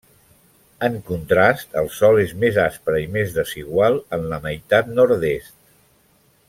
En contrast, el sòl és més aspre i més desigual en la meitat nord-est.